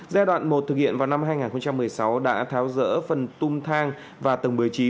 giai đoạn một thực hiện vào năm hai nghìn một mươi sáu đã tháo rỡ phần tung thang và tầng một mươi chín